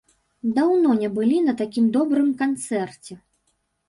Даўно не былі на такім добрым канцэрце!